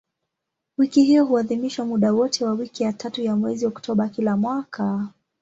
Wiki hiyo huadhimishwa muda wote wa wiki ya tatu ya mwezi Oktoba kila mwaka.